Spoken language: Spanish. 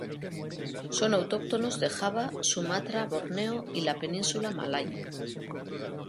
Son autóctonas de Java, Sumatra, Borneo y la península malaya.